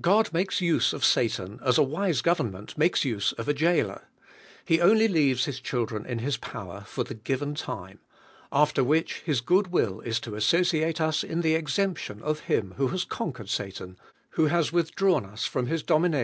God makes use of Satan as a wise governinenl makes use of a goaler. He only leaves His children in his power for the given lime; after which His good will is to associate us in the exemption of I Mm wlin lias conquered Satan, whit lias withdrawn us from his (lamina!